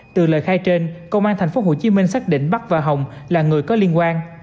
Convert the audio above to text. từ lời khai trên công an tp hcm xác định bắc và hồng là người có liên quan